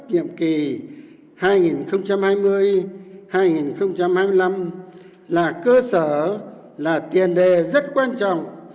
nhiệm kỳ hai nghìn hai mươi hai nghìn hai mươi năm là cơ sở là tiền đề rất quan trọng